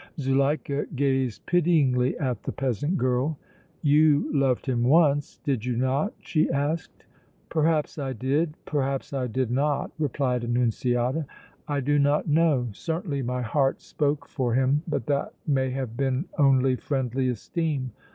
Zuleika gazed pityingly at the peasant girl. "You loved him once, did you not?" she asked. "Perhaps I did, perhaps I did not!" replied Annunziata. "I do not know! Certainly my heart spoke for him, but that may have been only friendly esteem!